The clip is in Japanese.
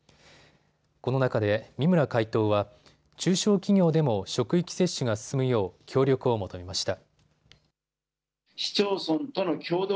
この中で三村会頭は中小企業でも職域接種が進むよう協力を求めました。